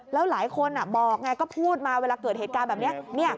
แล้วหลายคนบอกไงก็พูดมาเวลาเกิดเหตุการณ์แบบนี้